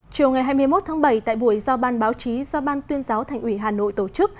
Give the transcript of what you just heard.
chiều ngày hai mươi một tháng bảy tại buổi do ban báo chí do ban tuyên giáo thành ủy hà nội tổ chức